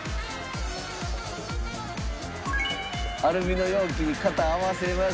アルミの容器に型を合わせまして。